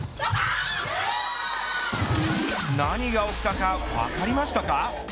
何が起きたか分かりましたか。